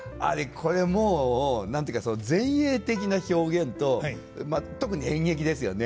これもう何て言うか前衛的な表現とまあ特に演劇ですよね。